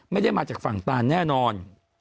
ไม่ได้มาจากฝั่งตานแน่นอน